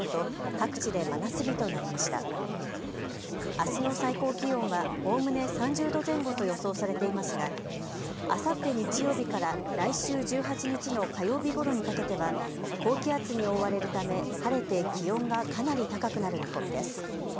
あすの最高気温はおおむね３０度前後と予想されていますがあさって日曜日から来週１８日の火曜日ごろにかけては高気圧に覆われるため晴れて気温がかなり高くなる見込みです。